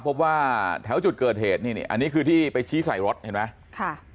พบว่าแถวจุดเกิดเหตุนี่อันนี้คือที่ไปชี้ใส่รถเห็นไหมค่ะ